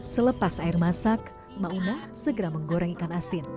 selepas air masak mauna segera menggoreng ikan asin